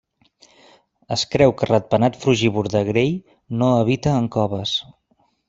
Es creu que ratpenat frugívor de Gray no habita en coves.